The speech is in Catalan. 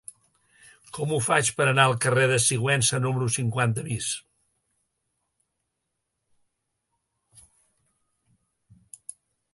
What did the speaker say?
Com ho faig per anar al carrer de Sigüenza número cinquanta-sis?